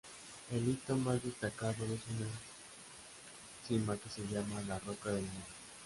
El hito más destacado es una cima que se llama 'la roca del moro'.